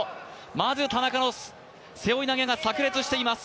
まず田中の背負い投げがさく裂しています。